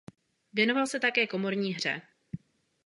Věnoval se také komorní hře.